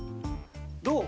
どう？